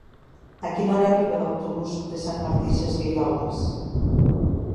A quina hora arriba l'autobús de Sant Martí Sesgueioles?